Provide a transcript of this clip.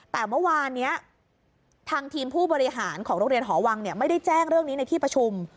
แต่เมื่อวานนี้ทางทีมผู้บริหารของโรงเรียนหอวังไม่ได้แจ้งเรื่องนี้ในที่ประชุม